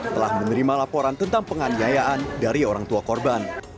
telah menerima laporan tentang penganiayaan dari orang tua korban